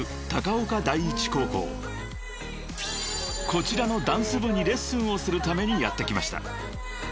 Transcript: ［こちらのダンス部にレッスンをするためにやって来ました］